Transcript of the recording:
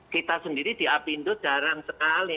kita sendiri di apindo jarang sekali